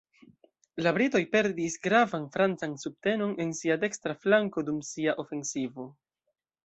La britoj perdis gravan francan subtenon en sia dekstra flanko dum sia ofensivo.